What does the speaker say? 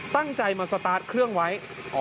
ตั้งใจมาสตาร์ทเครื่องไว้